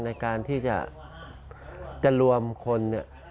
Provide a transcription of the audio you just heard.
ในการที่จะรวมคน